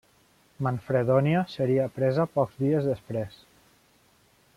Manfredonia seria presa pocs dies després.